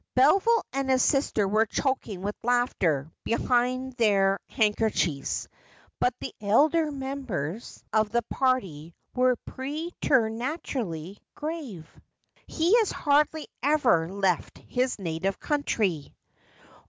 Beville and his sister were choking with laughter behind their hand kerchiefs ; but the elder members of the party were preter naturally grave. ' He has hardly ever left his native country.'